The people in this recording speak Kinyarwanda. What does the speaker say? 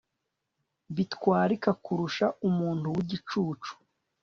bitwarika kurusha umuntu w'igicucu